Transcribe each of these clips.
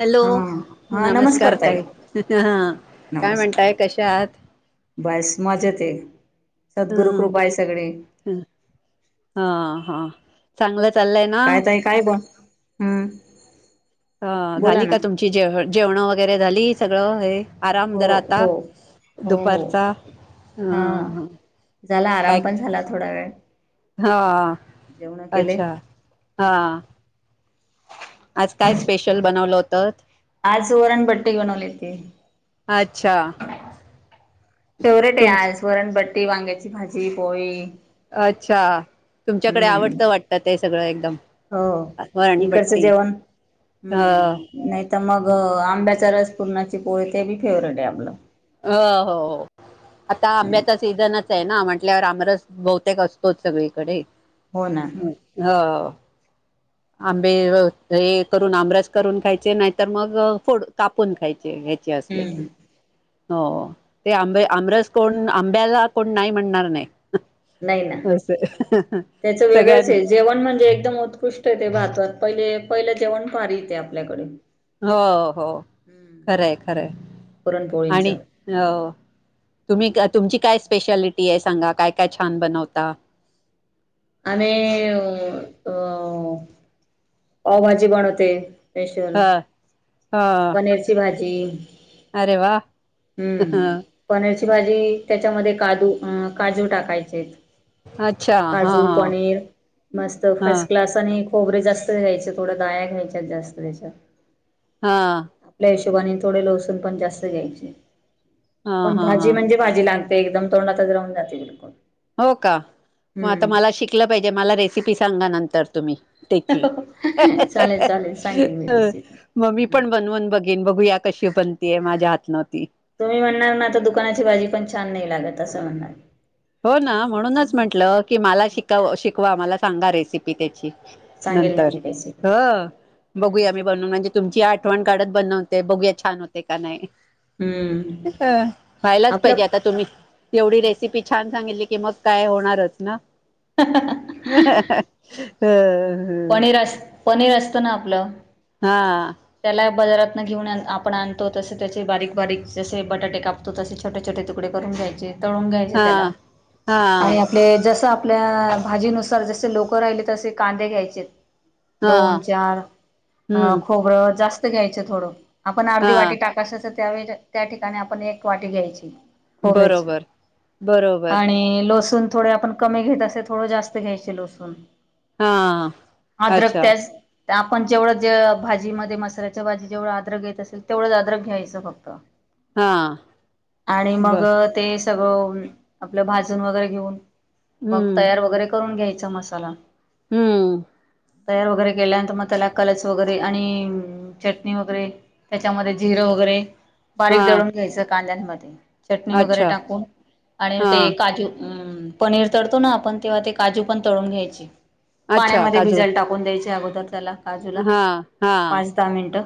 Hello नमस्कार ताई [unintelligible] काय नमस्कार. म्हणताय कसे आहात? बस मजेत आहे. सद्गुरु कृपा ह आहे सगळी. हा आ हा चांगलं चाललंय ना काय ताई काय ब? हम्म. ह बोला झाली ना का तुमची जेवण जेवणं वगैरे झाली सगळं हे? आराम हो करा आता. हो हो हो दुपारचा आ हा हं झाला आराम काय पण झाला थोडा वेळ हा जेवण केले अच्छा हा. हम्म आज काय स्पेशल बनवलं होतंत? आज वरणबट्टे बनवले होते. अच्छा. फेवरेट आहे तुम आज वरण बट्टी, वांग्याची भाजी, पोळी. अच्छा. तुमच्याकडे हम्म आवडतं वाटतं ते सगळं एकदम हो इकडचं वरणबट्टी. जेवण ह हम्म नाही तर मग आंब्याचा रस पुरणाची पोळी ती काय मग फेवरेट आहे आपलं. हो हो आता आंब्याचा सीझनच ना म्हटल्यावर आमरस बहुतेक असतोच सगळीकडे हो. आंबे हे करून आमरास करून खायचे नाहीतर मग फोडून कापून खायचे. ते घ्यायचे असले की. हम्म. हो ते आंबे आमरस कोण आंब्याला कोण नाही म्हणणार नाही. नाही ना असं त्याच वेगळंच सगळ्यांना आहे जेवण म्हणजे एकदम उत्कृष्ट ते भारतात पहिले पहिलं जेवण फार ते आपल्याकडे. हो ओ हो खराय खराय. पुरणपोळींच आणि ओ तुम्ही कात तुमची काय स्पेशालिटी आहे सांगा? काय काय छान बनवता. आम्ही अ अ पावभाजी बनवते स्पेशली ह ह पनीरची भाजी. अरे वा हम्म पनीर भाजी त्यांच्यामध्ये काजू आ काजू टाकायचे अच्छा हां. हां पनिर मस्त फसक्लास आणि खोबरे जास्त घ्यायचे थोड्या डाळ्या घ्यायच्यात जास्त त्याच्यात हा आपल्या हिशोबाने थोडे लहसून पण जास्त घ्यायचे हा पण हा भाजी हा म्हणजे भाजी लाग ते एकदम तोंडातच राहून जाते हो का मग आता मला हम्म शिकलं पाहिजे मला रेसिपी सांगा नंतर तुम्ही. त्याची चालेल चालेल सांगेल मी रेसिपी म मी हम्म पण बनवून बघेन बघूया कशी पण ते माझ्या आत नव्हती तुम्ही म्हणणार ना आता दुकानाची भाजी पण छान नाही लागत असं म्हणणार हो ना म्हणूनच म्हटलं की मला शिकाव शिकवा मला सांगा रेसिपी त्याची सांगेल ना नंतर मी रेसिपी हा हम्म बघूया मी बनून म्हणजे तुमची आ आठवण काढत बनवते बघूया छान होते का नाही हम्म अ व्हायलाच आपलं पाहिजे आता तुम्ही एवढी रेसिपी छान सांगितली की मग काय होणारच ना ह ह ह अ पनीर अस पनीर असतं ना आपलं हा त्याला बजारात न घेऊन न आपण आणतो तसे त्याचे बारीक बारीक जसे बटाटे कापतो तसे छोटे छोट तुकडे तुकडे करून घ्यायचे तळून घ्यायचे हा त्याला हा आणि आपले जस आपल्या भाजीनुसार जसे लोक राहिले तसे कांदे घ्यायचे हा दोन चार हम्म खोबरं जास्त घ्यायचं थोड आपण हा अर्धी वाटी टाकायचे त्यावेळी त्या ठिकाणी आपण एक वाटी घ्यायची खोबऱ्याची बरोबर बरोबर आणि लसू लसूण थोडे आपण कमी घेत असे थोडं जास्त घ्यायचे लसूण हा अद्रक अच्छा त्यात आपण जेवढ ज भाजी भाजीमध्ये मसाल्याच्या भाजी जेवढं आद्रक घेत असेल तेवढंच आद्रक घ्यायचं फक्त हा आणि मग बर ते सगळं आपलं भाजून वगैरे घेऊन मग तयार वगैरे करून घ्यायचा मसाला हममम तयार वगैरे केल्यानंतर तर मग त्याला कलर्स वगैरे आणि चटणी वगैरे त्याच्यामध्ये जिरा वगैरे म्हणजे हा बारीक दळून घ्यायचं कांद्यांन मध्ये चटणी वगैरे अच्छा टाकून आणि हा ते काजू हमम पनीर तळतो ना आपण तेव्हा ते काजू पण तळून घ्यायचे अच्छा पाण्यामध्ये काजू भिजायला टाकून द्यायचे अगोदर त्याला काजूला हा हा पाच दहा मिनटं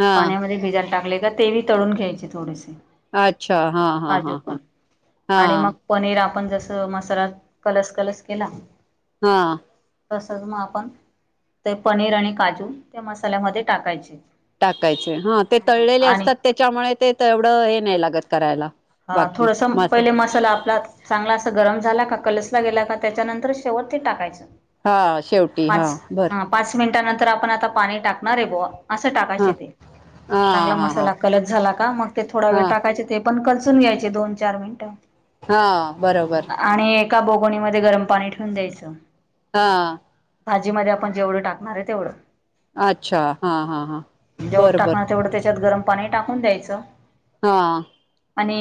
हा पाण्यामध्ये भिजायला टाकले का ते तळून घ्यायचे थोडेसे अच्छा हा हा काजू हा हा पण हा आणि मग पनीर आ आपण जस मसालात कलर्स कलर्स केला हा तसच मग आपण ते पनीर आणि काजू त्या मसाल्यामध्ये टाकायचे. टाकायचे हा ते तळलेले असतात त्याच्यामुळे ते तेवढं हे नाही लागत करायला. हा बाकी थोडस मसा पहिले मसाला आपला चांगला अस गरम झाला का कलसला गेला का त्याच्यानंतर शेवट ते टाकायचं. हा शेवटी हा पाच बर हा पाच मिनिटानंतर आपण आता पाणी टाकणार आहे बुवा असं हा टाकायचे ते हा चांगला हा हा मसाला कलत झाला का मग ते थोडा हा वेळ टाकायचे ते पण कलचून घ्यायचे दोन चार मिनिटं. हा बरोबर आणि एका बोगोनीमध्ये गरम पाणी ठेवून द्यायचं हा भाजी मधे आपण जेवढं टाकणार हे तेवढं. अच्छा हा हा हा जेवढ बर बर टाकणार तेवढं त्याच्यात गरम पाणी टाकून द्यायचं. हा. आणि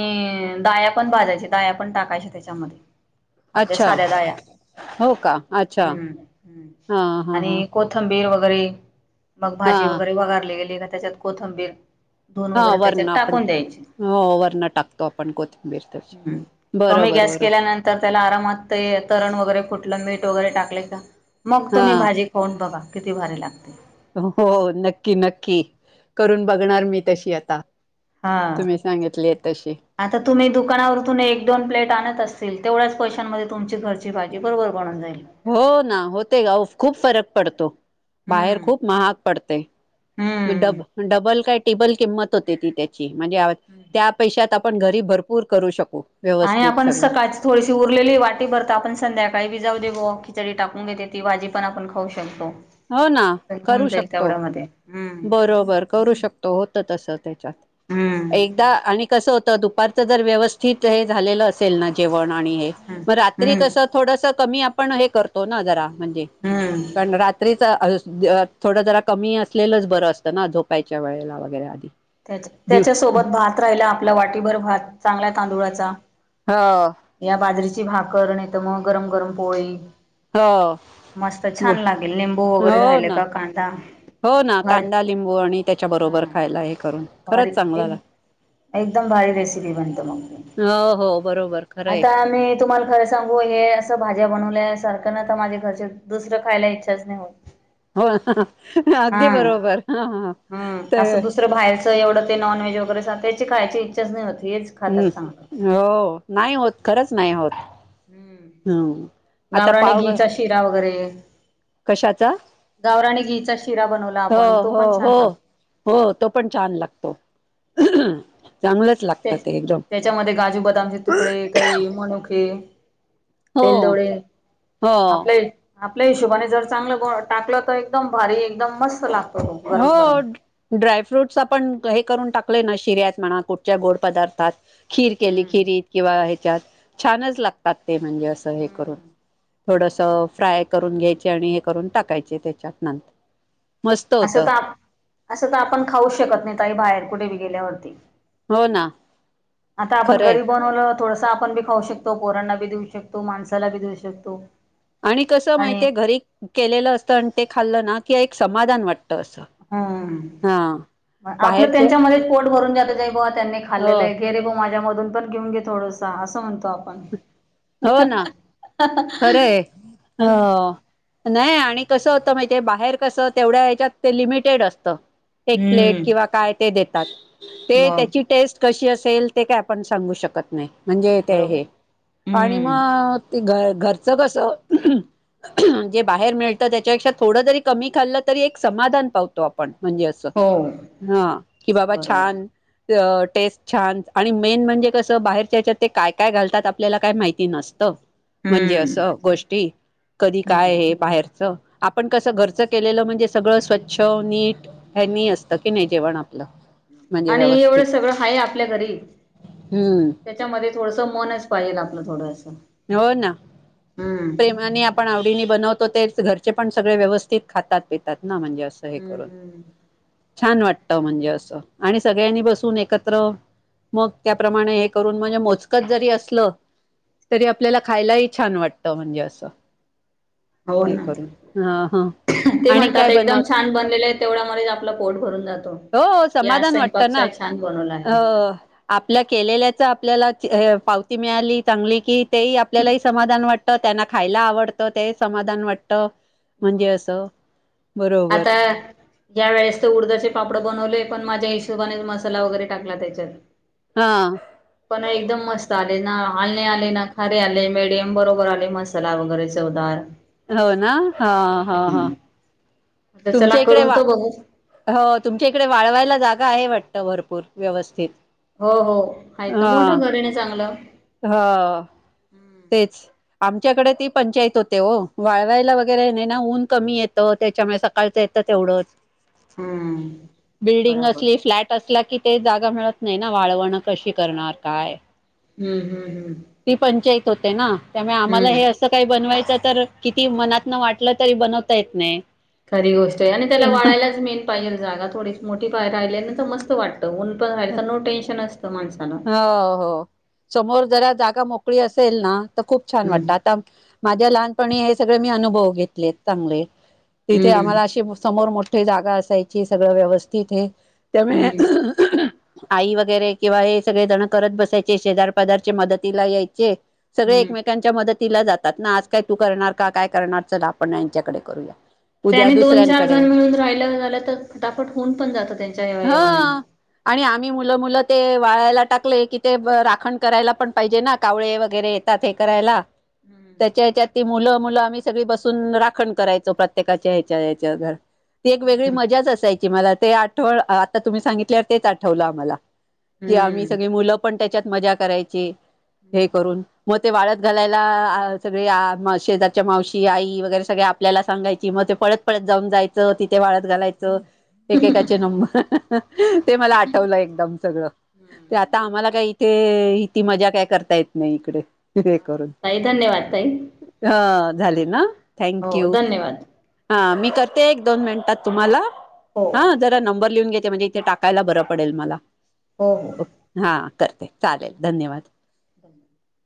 अ दाया पण भाजायचे दाया पण टाकायच्या त्याच्यामधे. आपल्या अच्छा साड्या डाया. हो का अच्छा हम्म, हा हा हा आणि कोथंबीर वगैरे मग हा भाजी वगैरे वगारली गेली दा त्याच्यात कोथंबीर धुून हा वगैरे त्याच्यात वरण आपण टाकून द्यायची हो वरण टाकतो आपण कोथिंबीर तशी. हम्म कमी बरोबर गॅस बरोबर केल्यानंतर त्याला आरामात ते तरण वगैरे फूठलं मीठ टगोरे टाकले का मग हा तुम्ही भाजी खाऊन बघा किती भारी लागते. अ हो, नक्की नक्की करून बघणार मी तशी आता. हा तुम्ही सांगितली तशी आता तुम्ही दुकानावरतून एक दोन प्लेट आणत अस तील तेवढ्याच पैशांमध्ये तुमची घरची भाजी बरोबर बनून जाईन. हो ना होते गाऊ खूप फरक पडतो बाहेर हम्म खूप महाग पडते. मी हम्म डब डबल काय टीबल किंमत होते ती त्याची म्हणजे आव त्या पैशात आपण घरी भरपूर करू शकू. आळी व्यवस्थित आपण सगळं सकाळची थोडीशी उरलेली हे वाटीभर त आपण संध्याकाळी भी जाऊ दे बॉ चडी टाकून घेते ती भाजी पण खाऊ शकतो. हो ना होऊन करू जाईल शकतो. तेवढ्यामध्ये हम्म बरोबर करू शकतो होतं तस हम्म त्याच्यात एकदा आणि कस होतं दुप पारच जर व्यवस्थित हे झालेलं असेल ना जेवण आणि हे हम्म म रात्री हम्म कसं थोडंसं कमी आपण अ हे करतो ना जरा म्हणजे हम्म कण रात त अस ज अ थोडं जरा कमी असलेलंच बरं असतं ना झोपायच्या वेळेला वगैरे आधी. त्याच्या दिव त्याच्यासोबत भात राहिला आपला वाटीभर भात चांगला तांदुळाचा. हो ओ ओ. जी भाकर नई त म गरम गरम पोळी. हो. मस्त छान लागेल. लिंबू वगैरे हो राहिल ना का कांदा हो ना भारी कांदा, लिंबू आणि त्याच्या बरोबर हा खायला हे करू भारी एक एकदम भारी रेसिपी बनतो मंग मी हो हो बरोबर खरंय आता आम्ही तुम्हाला खरं सांगू हे असं भाज्या बनवल्यास सारखं ना त माझे घरचे दुसरं खायला इच्छाच नाही होत. हो हा अगदी बरोबर हा हा हा त त एवढं ते नॉन व्हेज वगैरे सा त्याची खायची इच्छाच नाही होत. हेच खातात हम्म! चांगलं. हो ओ ओ नाही होत खरंच नाही होत. हम्म आता गावराननी पाव घिचा शिरा वगैरे. कशाचा गावरानी घिचा शिरा बनवला हो आपण तो हो पण छान हो लाग हो, तो पण छान लागतो. चांगलंच त्या लागतं ते एकदम त्याच्यामधे गाजू बदामचे तुकडे काही मनुके हो बेलदोडे हो आपले आपल्या हिशोबाने जर चांगलं गो टाकलं त एकदम भारी एकदम मस्त लाग हो, ड्र ड्राय फ्रूटस आपण ग हे करून टाक कले ना शिऱ्यात म्हणा कुठच्या गोड पदार्थात खीर केली हम्म खिरीत किंवा ए च्यात छानच लागतात ते म्हणजे अस हे करून. हम्म. थोडसं फ्राय करून घ्यायचे आणि हे करून टाकायचे त्याच्यातनं. असं त आप असं त आपण खाऊस शकत नाही ताई बाहेर कुठे बी गेल्यावरती. हो ना आता आपण खरंय घरी बनवलं थोडसं आपण बी खाऊ शकतो पोरांना बी देवू शक तो माणसाला बी द्यू शकतो. आणि कसं आणि माहितीये घरी केलेलं असतं आणि ते खाल्लं ना कि एक समाधान वाट हम्म, म आपलं बाहेरचे त्यांच्यामध्येच पोट भरून जात जाई बॉ त्यांनी हो खाल्ले आहेे रे माझ्या मधून पण घेऊन घे थोडसा असं म्हणत.. त आपण... हो ना खरंय ह नाही आणि कस होत माहि... ते बाहेर कस तेवढ्या हेच्यात ते लिमिटेड असत एक प्लेट हम्म किंवा काय ते देतात. ते मग त्याची टेस्ट कशी असेल. ते काय आपण सांगू शकत नाही. म्हणजे ते बरोबर हे आणि हम्म मग ते घर घरचं कसं... जे बाहेर मिळतं त्याच्यापेक्षा थोडं जरी कमी खाल्लं तरी एक समाधान पावतो आपण... म्हणजे असं हो हा कि बाबा बरोबर छान... टेस्ट छान आणि मेन म्हणजे कसं बाहेरच्या याच्यात ते काय काय घालतात. आपल्याला काय माहिती नसतं. म्हणजे हम्म असं गोष्टी कधी काय हम्म हे बाहेरच आपण कसं घरच केलेलं म्हणजे... सगळं स्वच्छ नीट हॅनी असतं की नाही जेवण आप.. आणि एवढं सगळं हाय आपल्या घरी... हम्म त्याच्यामध्ये थोडस मनच पाहिजेल आपलं थोडस... हो ना प्रेमाने आपण आवडीने बनवतो... त ते घरचे पण सगळे व्यवस्थित खातात पितात ना म्हणजे असं हे हम्म करून... हम्म छान वाटत म्हणजे असं आणि सगळ्यांनी बसून एकत्र... मग त्याप्रमाणे हे करून म्हणजे मोजकत जरी असलं... तरी आपल्याला खायलाही छान वाटत म्हणजे असं.. हो हे ना करून हा हा... ते आणि म्हणतात काय एकदम बनवत छान बनलेले आहे तेवढ्या मच आपलं पोट भरून जातो हो की आज समाधान वाटतं ना सपाछान... अ आपल्या केलेल्याच आपल्याला... पावती मिळाली चांगली की तेही आपल्यालाही समाधान वाट... त्यांना खायला आवडतं ते समाधान वाटतं.. म्हणजे मग असं... बरोबर आता या वेळेस तर उडदाचे पापड बनवले पण माझ्या हिश... म वर टाला त्याच्या हा पण एक मत.... हालणे आले ना खारीे आले मडियम बरोबर आले मसाला वगैरे चवदार... हो ना हा हा हा.. हम्म आता चला तुमच्या इकडे करून वा त बघू.. हो तुमच्या इकडे वाळवायला जागा आहे वाटत भरपूर व्यवस्थित... हो हो ह तर हा मोठं घर आहे नाही चांगलं ह हम... आमच्याकडे ती पंचायत होते वाळवायला वगैरे ऊन कमी येत त्याच्या... सकाळ येत एवढ हम्म बिल्डंग अस बराबर हम्म फ्ल अस क... ते जागा मिळत नाही ना वाळवण कशी करणार काय... हम्म हम्म हम्म... हो ना त्यामुळे आम्हाला हे असं काही बनवायच. तर किती मनात न वाटलं तरी बनवता येत नाही. कधी गोष्ट आहे आणि त्याला वाळाायलाच मेन पाहिजे जागा थोडी मोठी पायर राहिली ना तर मस्त वाट... न पण रायचो टेनशन असतं माण.. हो हो समोर जरा जागा मोकळी असेल ना. तर खूप छान हम्म. वाटतं आता माझ्या लहानपणी हे सगळे मी अनुभव घेतले चांगले.. तिथे हम्म. आम्हाला अशी समोर मोठी जागा असायची सगळं व्यवस्थित आहे. त्यामुळे हम्म. आई वगैरे किंवा हे... सगळे जण करत बसायचे शेजार पदारच्या मदतीला यायचे सगळे हम्म. एकमेकांच्या म... तिला जातात ना आज काय तू करणार का काय करणार चल आपण यांच्याकडे करूया.. उद्या त्याने दोन चार दुसऱ्यांकडे जण मिळून राहिलं झाल्या तर फटाफट होऊन पण जातं त्यांच्याव हा येव्हाने.. आणि आम्ही मुलं मुलं ते वायला... टाकले की ते राखण करायला पण पाहिजे ना कावळे वगैरे येतात हे करायला... हम्म. त्याच्या हच्यात ती मुलं... मुलं आम्ही सगळी बसून राखण करायचो प्रत्येकाच्या ह्याच्या ह्याच्या घर ती एक वेगळी हम्म. मजाच असायची मला ते आठवण आता तुम्ही सांगितल्या तेच आठवलं आम्हाला. की आम्ही हम्म. सगळी मुलं पण त्याच्यात मजा करायची हे हम्म. करून. मग ते वाळत घालायला सगळे शेजारच्या मावशी आई वगैरे सगळे आपल्याला सांगायची म. ते पळत पळत जाऊन जायचं तिथे वाळत घालायचं. एकेकाचे नंबर ते मला आठवलं एकदम सगळं. ते हम्म. आता आम्हाला काही इथे इती मजा काय करता येत नाही इकडे. चालेल. करून, ताई धन्यवाद ताई. हा. झाले ना, हो थँंक यू, धन्यवाद. हा मी करते एक दोन मिनटात तुम्हाला. हो. हा जरा नंबर लिहून घेते म्हणजे इथे टाकायला बरं पडेल मला. हो हो. हा करते चालेल धन्यवाद. [inaudible]